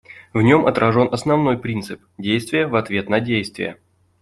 В нем отражен основной принцип — действие в ответ на действие.